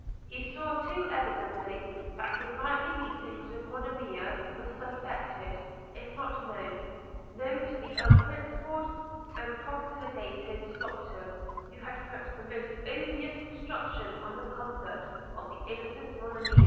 He saw too evidently, that his nightly meetings with Monimia were suspected, if not known – known to the unprincipled and profligate Stockton, who had put the most odious construction on the conduct of the innocent Monimia.